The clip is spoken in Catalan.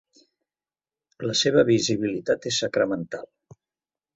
La seva visibilitat és sacramental.